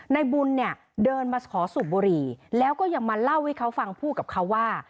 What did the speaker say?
ในบุญเนี่ยเดินมาขอสูบบุหรี่แล้วก็ยังมาเล่าให้เขาฟังพูดกับเขาว่า